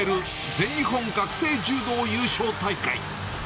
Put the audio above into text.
全日本学生柔道優勝大会。